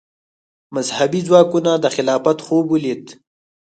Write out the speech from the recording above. مذهبي ځواکونو د خلافت خوب ولید